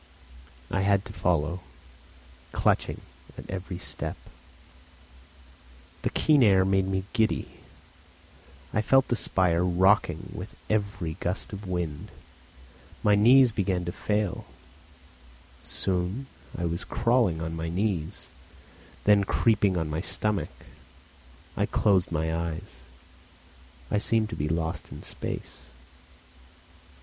I had to follow, clutching at every step. The keen air made me giddy; I felt the spire rocking with every gust of wind; my knees began to fail; soon I was crawling on my knees, then creeping on my stomach; I closed my eyes; I seemed to be lost in space.